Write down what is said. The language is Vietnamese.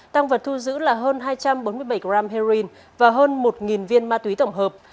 tăng vật thu giữ là hơn hai trăm bốn mươi bảy gram heroin và hơn một viên ma túy tổng hợp